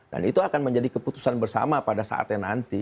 dan itu akan menjadi keputusan bersama pada saat yang nanti